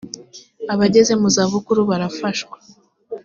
abageze mu zabukuru barafashwa.